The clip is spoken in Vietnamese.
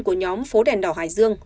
của nhóm phố đèn đỏ hải dương